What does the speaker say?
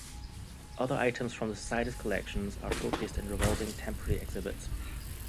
Other items from the society's collections are showcased in revolving, temporary exhibits.